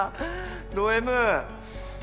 ドＭ？